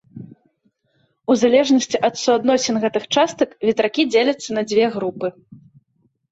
У залежнасці ад суадносін гэтых частак ветракі дзеляцца на дзве групы.